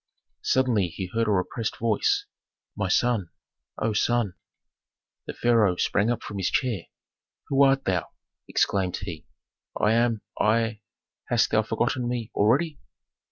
Suddenly he heard a repressed voice, "My son! O son!" The pharaoh sprang up from his chair. "Who art thou?" exclaimed he. "I am, I Hast thou forgotten me already?"